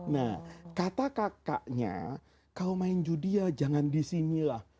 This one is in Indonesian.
nah kata kakaknya kalau main judi ya jangan disinilah